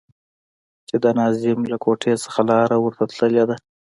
چې د ناظم له کوټې څخه لاره ورته تللې ده.